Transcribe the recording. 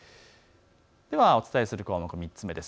ではお伝えする項目、３つ目です。